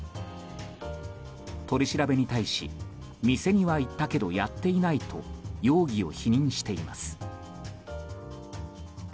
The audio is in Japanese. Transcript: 取り調べに対し店には行ったけどやっていないと容疑を否認しています。